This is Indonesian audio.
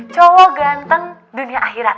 cowok ganteng dunia akhirat